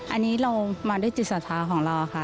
อันนี้เรามาด้วยจิตศรัทธาของเราค่ะ